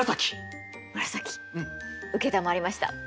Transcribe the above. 承りました。